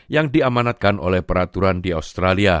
yang diamanatkan oleh peraturan di australia